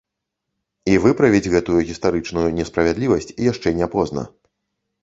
І выправіць гэтую гістарычную несправядлівасць яшчэ не позна.